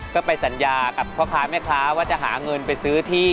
ก็ไปสัญญากับพ่อค้าแม่ค้าว่าจะหาเงินไปซื้อที่